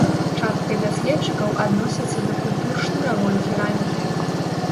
Часткай даследчыкаў адносіцца да культур шнуравой керамікі.